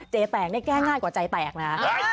แตกนี่แก้ง่ายกว่าใจแตกนะ